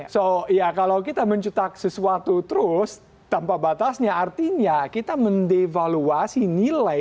so ya kalau kita mencetak sesuatu terus tanpa batasnya artinya kita mendevaluasi nilai